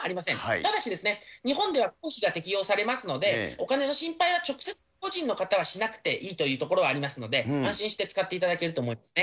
ただし、日本では公費が適用されますので、お金の心配は直接、個人の方はしなくていいというところはありますので、安心して使っていただけると思うんですね。